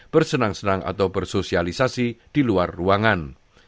bersenang senang atau bersosialisasi di luar ruangan